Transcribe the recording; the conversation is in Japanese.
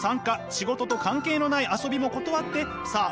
仕事と関係のない遊びも断ってさあ